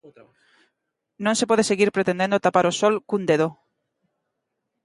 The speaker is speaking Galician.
Non se pode seguir pretendendo tapar o sol cun dedo.